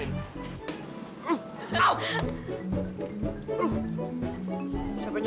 eh pak teran